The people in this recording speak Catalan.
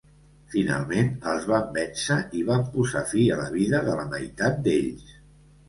Finalment, els van vèncer, i van posar fi a la vida de la meitat d'ells.